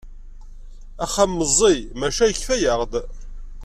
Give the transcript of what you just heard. Axxam meẓẓi maca yekfa-yaɣ-d.